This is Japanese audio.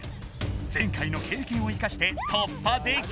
前回の経験を生かして突破できるのか？